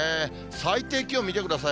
最低気温見てください。